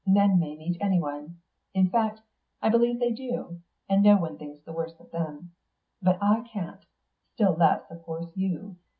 Men may meet anyone; in fact, I believe they do; and no one thinks the worse of them. But I can't; still less, of course, you.